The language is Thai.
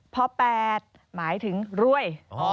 เพราะแปดหมายถึงรวย